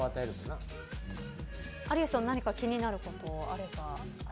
有吉さん何か気になることあれば。